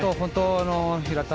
平田